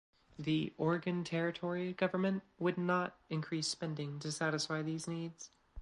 The Oregon Territory government would not increase spending to satisfy these needs.